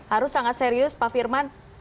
harus sangat serius pak firman